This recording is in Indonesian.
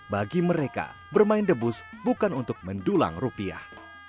bagi mereka bermain debus bukan untuk mendulang rupiah